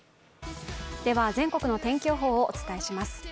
全国の天気予報をお伝えします。